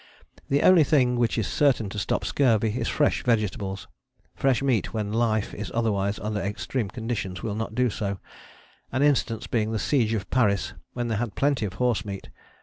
The only thing which is certain to stop scurvy is fresh vegetables: fresh meat when life is otherwise under extreme conditions will not do so, an instance being the Siege of Paris when they had plenty of horse meat.